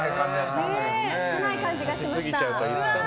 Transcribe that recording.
少ない感じがしました。